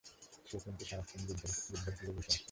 সে কিন্তু সারাক্ষণ বুদ্ধের কোলেই বসে আছে।